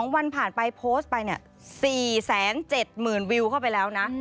๒วันผ่านไปโพสต์ไป๔๗๐๐๐วิวเข้าไปแล้วนะ